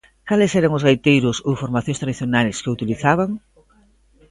Cales eran os gaiteiros ou formacións tradicionais que o utilizaban?